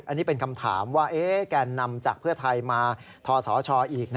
อันนี้เป็นคำถามว่าแกนนำจากเพื่อไทยมาทสชอีก